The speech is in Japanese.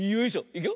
いくよ。